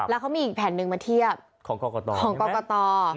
แล้วมีอีกแผ่นนึงมาเทียบของกรกต